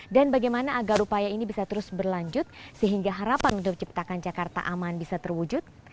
bagaimana agar upaya ini bisa terus berlanjut sehingga harapan untuk menciptakan jakarta aman bisa terwujud